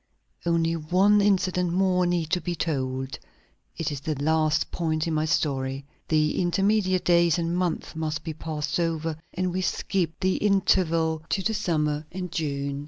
Only one incident more need be told. It is the last point in my story. The intermediate days and months must be passed over, and we skip the interval to the summer and June.